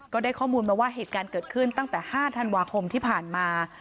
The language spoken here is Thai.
ก็ได้ข้อมูลมาว่าเหตุการณ์เกิดขึ้นตั้งแต่๕ธันวาคมที่ผ่านมา